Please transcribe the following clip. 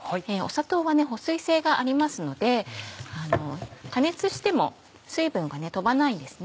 砂糖は保水性がありますので加熱しても水分が飛ばないんです。